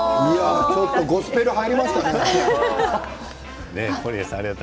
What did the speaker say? ちょっとゴスペルが入りましたね。